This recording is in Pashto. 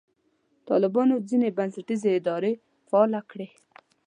طالبانو ځینې بنسټیزې ادارې فعاله کړې.